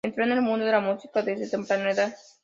Entró en el mundo de la música desde temprana edad.